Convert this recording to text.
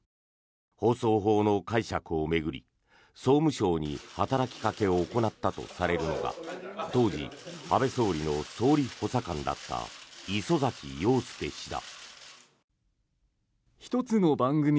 放送法の解釈を巡り、総務省に働きかけを行ったとされるのが当時、安倍総理の総理補佐官だった礒崎陽輔氏だ。